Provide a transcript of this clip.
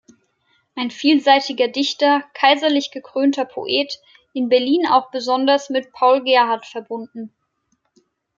Ein vielseitiger Dichter, kaiserlich gekrönter Poet, in Berlin auch besonders mit Paul Gerhardt verbunden.